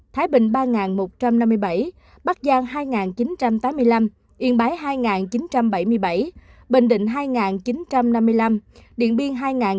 thái bình ba một trăm năm mươi bảy bắc giang hai chín trăm tám mươi năm yên bái hai chín trăm bảy mươi bảy bình định hai chín trăm năm mươi năm điện biên hai nghìn hai mươi